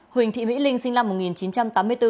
huỳnh thị mỹ linh sinh năm một nghìn chín trăm tám mươi bốn